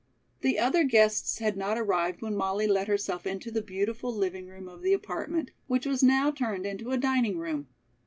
The other guests had not arrived when Molly let herself into the beautiful living room of the apartment, which was now turned into a dining room.